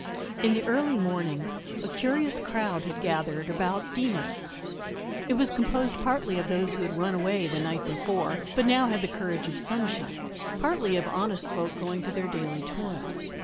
In the early morning a curious crowd had gathered about "Deemer's." It was composed partly of those who had run away the night before, but now had the courage of sunshine, partly of honest folk going to their daily toil.